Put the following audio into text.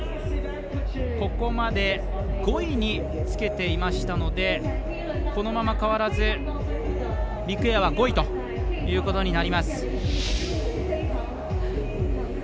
ここまで５位につけていましたのでこのまま変わらずビッグエアは５位ということになります。